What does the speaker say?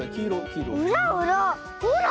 うらうらほら。